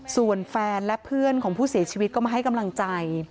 ส่วนแฟนและเพื่อนของผู้เสียชีวิตก็มาให้กำลังใจ